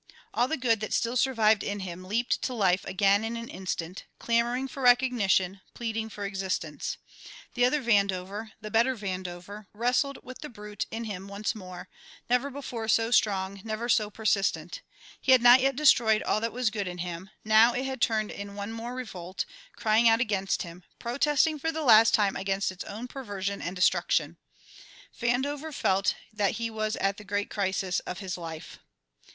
All the good that still survived in him leaped to life again in an instant, clamouring for recognition, pleading for existence. The other Vandover, the better Vandover, wrestled with the brute in him once more, never before so strong, never so persistent. He had not yet destroyed all that was good in him; now it had turned in one more revolt, crying out against him, protesting for the last time against its own perversion and destruction. Vandover felt that he was at the great crisis of his life.